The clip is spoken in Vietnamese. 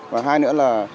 và hai nữa là